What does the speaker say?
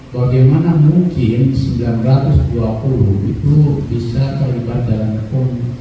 bagaimana mungkin sembilan ratus dua puluh itu bisa terlibat dalam hukum